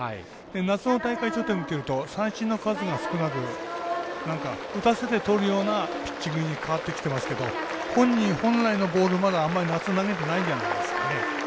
夏の大会を見てみると三振の数が少なく打たせてとるようなピッチングに変わってきてますけど本人、本来のボールはまだ、あんまり夏投げてないんじゃないですかね。